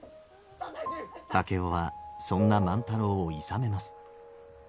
竹雄はそんな万太郎をいさめます。